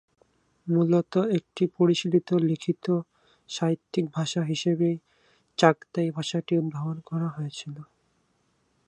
মূলত একটি পরিশীলিত লিখিত, সাহিত্যিক ভাষা হিসেবে চাগাতাই ভাষাটি উদ্ভাবন করা হয়েছিল।